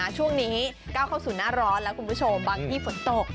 ช่วงนี้ก้าวเข้าสู่หน้าร้อนแล้วคุณผู้ชมบางที่ฝนตก